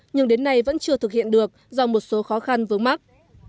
nhưng đến nay vẫn chưa thực hiện được do một số khó khăn vướng mắt